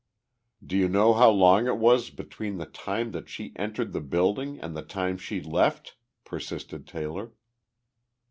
"Do you know how long it was between the time that she entered the building and the time she left?" persisted Taylor.